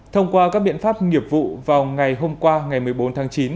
thông qua các biện pháp nghiệp vụ vào ngày hôm qua ngày một mươi bốn tháng chín